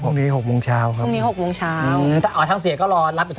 ครับใช่ครับ